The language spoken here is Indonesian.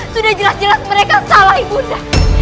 sudah jelas jelas mereka salah ibunya